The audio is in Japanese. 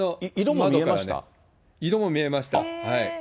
色も見えました。